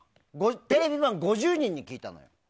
テレビマン５０人に聞いたの。